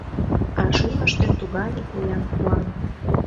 А шӱмыштӧ тугане поян куан.